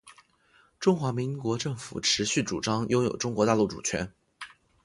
中华民国政府持续主张拥有中国大陆主权